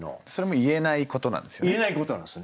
言えないことなんですね。